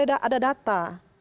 itu harus ada data